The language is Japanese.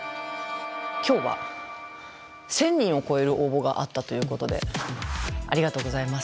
今日は１，０００人を超える応募があったということでありがとうございます。